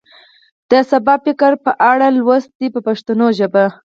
د سبا فکر په اړه لوست دی په پښتو ژبه.